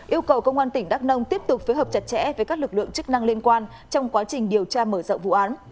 yêu cầu công an tỉnh đắk nông tiếp tục phối hợp chặt chẽ với các lực lượng chức năng liên quan trong quá trình điều tra mở rộng vụ án